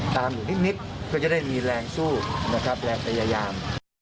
ตามอยู่นิดก็จะได้มีแรงสู้แรงพยายาม